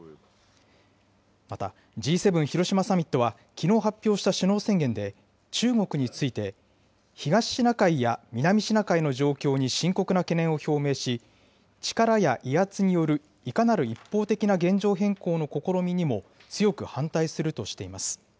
また、Ｇ７広島サミットはきのう発表した首脳宣言で中国について、東シナ海や南シナ海の状況に深刻な懸念を表明し、力や威圧によるいかなる一方的な現状変更の試みにも強く反対するとしています。